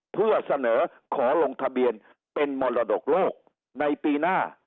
เพื่อเสนอขอลงทะเบียนเป็นมรดกโลกในปีหน้า